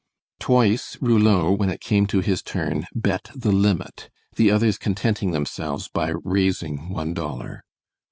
Twice Rouleau, when it came to his turn, bet the limit, the others contenting themselves by "raising" one dollar.